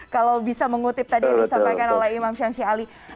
kalau bisa mengutip tadi yang disampaikan oleh imam syamsi ali